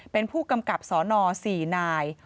เป็นผู้กำกับสน๔นาย